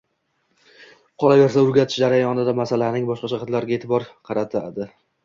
Qolaversa, o‘rgatish jarayonida masalaning boshqa jihatlariga eʼtibor qaratadi